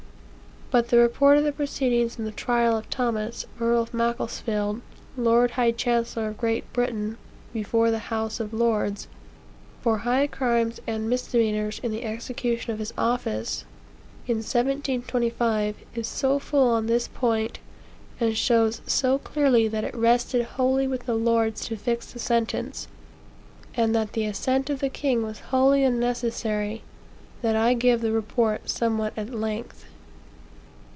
But the report of the proceedings in "the trial of Thomas, Earl of Macclesfield, Lord High Chancellor of Great Britain, before the House of Lords, for high crimes and misdemeanors in the execution of his office," in 1725, is so full on this point, and shows so clearly that it rested wholly with the lords to fix the sentence, and that the assent of the king was wholly unnecessary, that I give the report somewhat at length.